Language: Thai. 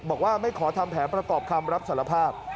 บอกว่าไม่ขอทำแผนประกอบคำรับสารภาพ